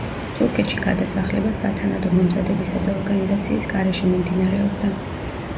თურქეთში გადასახლება სათანადო მომზადებისა და ორგანიზაციის გარეშე მიმდინარეობდა.